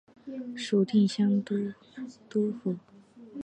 属定襄都督府。